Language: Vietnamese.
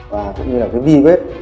và cũng như là cái vi vết